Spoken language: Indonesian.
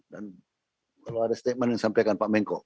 dan kalau ada statement yang disampaikan pak menko